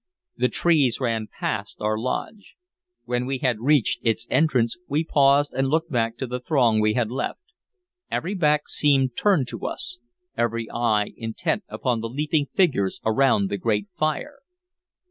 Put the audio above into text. The trees ran past our lodge. When we had reached its entrance we paused and looked back to the throng we had left. Every back seemed turned to us, every eye intent upon the leaping figures around the great fire.